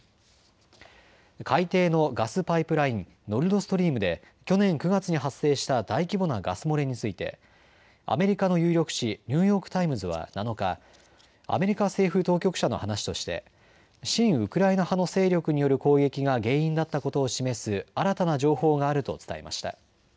海底のガスパイプライン、ノルドストリームで去年９月に発生した大規模なガス漏れについてアメリカの有力紙、ニューヨーク・タイムズは７日、アメリカ政府当局者の話として親ウクライナ派の勢力による攻撃が原因だったことを示す新たな情報があると伝えました。